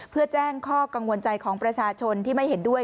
เพื่อแจ้งข้อกังวลใจของประชาชนที่ไม่เห็นด้วย